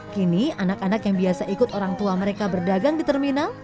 kini anak anak yang biasa ikut orang tua mereka berdagang di terminal